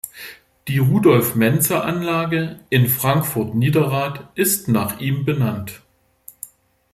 Die Rudolf-Menzer-Anlage in Frankfurt-Niederrad ist nach ihm benannt.